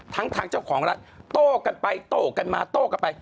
ทั้งทางเจ้าของแล้วโตกันไปโตกันมาโตกันไป